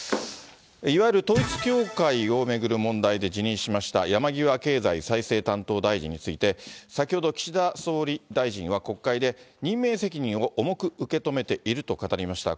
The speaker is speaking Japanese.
いわゆる統一教会を巡る問題で辞任しました、山際経済再生担当大臣について、先ほど岸田総理大臣は国会で、任命責任を重く受け止めていると語りました。